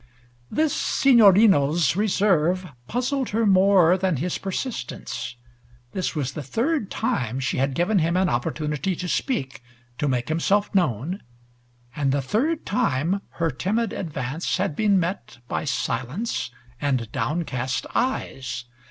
This Signorino's reserve puzzled her more than his persistence. This was the third time she had given him an opportunity to speak, to make himself known, and the third time her timid advance had been met by silence and down cast eyes.